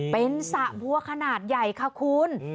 เป็นสระบัวขนาดใหญ่ค่ะคุณ